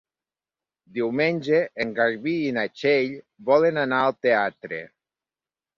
Diumenge en Garbí i na Txell volen anar al teatre.